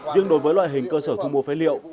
riêng đối với loại hình cơ sở thu mua phế liệu